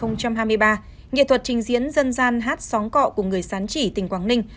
nghệ thuật trình diễn dân gian hát sóng cọ của người sán chỉ tỉnh quảng ninh